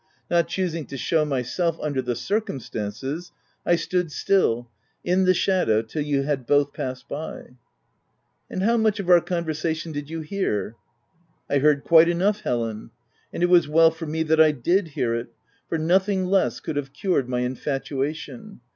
Not choosing to shew myself, under the cir cumstances, I stood still, in the shadow, till you had both passed by." OF WILDFELL HALL. 263 " And how much of our conversation did you hear V " I heard quite enough, Helen. And it was well for me that I did hear it ; for nothing less could have cured my infatuation.